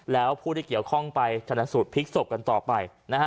แล้วผู้ที่เกี่ยวข้องไปฉนสุดพลิกศพกันต่อไป